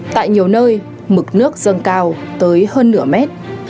tại nhiều nơi mực nước dâng cao tới hơn nửa mét